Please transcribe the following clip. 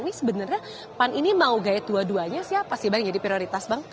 ini sebenarnya pan ini mau gaya dua duanya siapa sih bang yang jadi prioritas bang